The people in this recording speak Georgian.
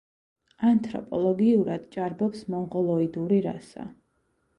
ანთროპოლოგიურად ჭარბობს მონღოლოიდური რასა.